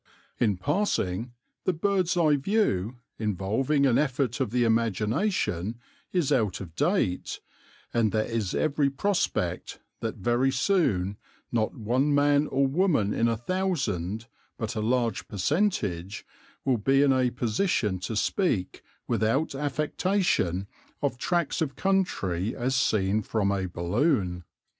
(In passing, the bird's eye view, involving an effort of the imagination, is out of date, and there is every prospect that very soon not one man or woman in a thousand, but a large percentage, will be in a position to speak without affectation of tracts of country as seen from a balloon.)